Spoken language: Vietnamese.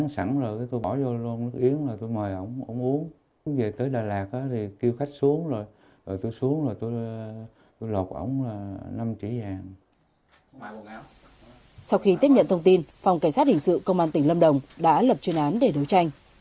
sau khi tiếp nhận thông tin phòng cảnh sát hình sự công an tỉnh lâm đồng đã lập chuyên án để đấu tranh